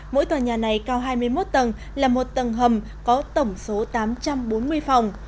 mỗi tòa nhà này cao hai mươi một tầng là một tầng hầm có tổng số tám trăm bốn mươi phòng